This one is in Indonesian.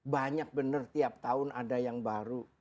banyak benar tiap tahun ada yang baru